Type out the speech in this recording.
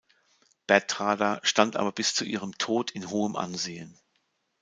Bertrada stand aber bis zu ihrem Tode in hohem Ansehen.